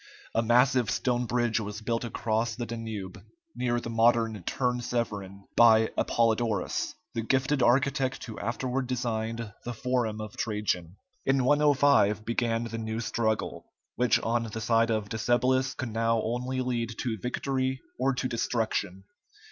A massive stone bridge was built across the Danube, near the modern Turn Severin, by Apollodorus, the gifted architect who afterward designed the forum of Trajan. In 105 began the new struggle, which on the side of Decebalus could now only lead to victory or to destruction.